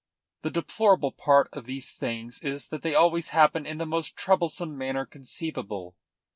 The deplorable part of these things is that they always happen in the most troublesome manner conceivable.